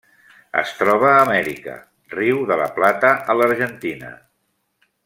Es troba a Amèrica: riu de la Plata a l'Argentina.